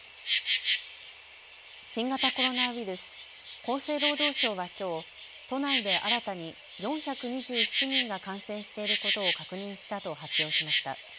新型コロナウイルス、厚生労働省はきょう都内で新たに４２７人が感染していることを確認したと発表しました。